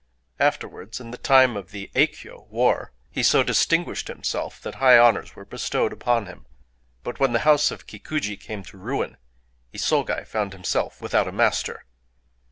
Afterwards, in the time of the Eikyō war, he so distinguished himself that high honors were bestowed upon him. But when the house of Kikuji came to ruin, Isogai found himself without a master.